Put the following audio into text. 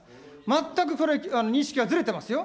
全くこれ、認識がずれてますよ。